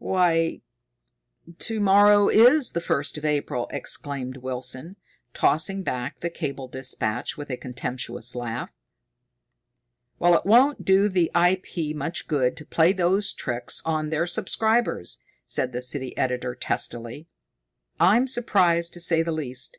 "Why, to morrow is the first of April!" exclaimed Wilson, tossing back the cable dispatch with a contemptuous laugh. "Well, it won't do the I. P. much good to play those tricks on their subscribers," said the city editor testily. "I'm surprised, to say the least.